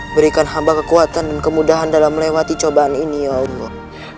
berikan hamba kekuatan dan kemudahan dalam melewati cobaan ini ya allah